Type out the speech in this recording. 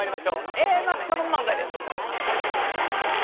Ａマッソの漫才です。